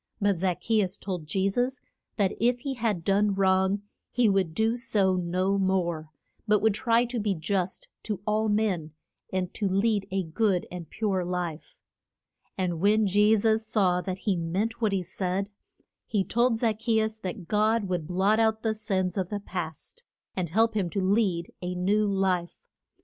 But Zac che us told Je sus that if he had done wrong he would do so no more, but would try to be just to all men and to lead a good and pure life. And when Je sus saw that he meant what he said, he told Zac che us that God would blot out the sins of the past, and help him to lead a new life.